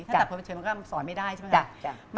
ถ้าตัดผมเฉยมันก็สอนไม่ได้ใช่ไหมคะ